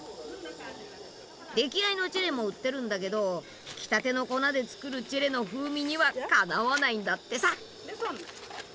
出来合いのチェレも売ってるんだけどひきたての粉で作るチェレの風味にはかなわないんだってさ。